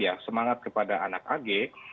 dan juga semangat kepada anak ag